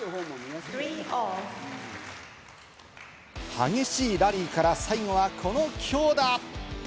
激しいラリーから最後はこの強打。